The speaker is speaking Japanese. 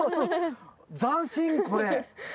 斬新これ！